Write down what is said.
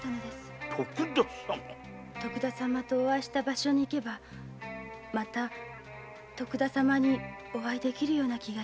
徳田様とお会いした場所に行けばまたお会いできるような気が。